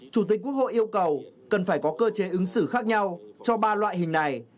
chủ tịch quốc hội yêu cầu cần phải có cơ chế ứng xử khác nhau cho ba loại hình này